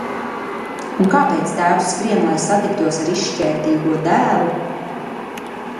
Un kāpēc tēvs skrien, lai satiktos ar izšķērdīgo dēlu?